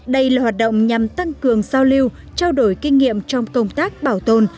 đây là hoạt động nhằm tăng cường giao lưu trao đổi kinh nghiệm trong công tác bảo tồn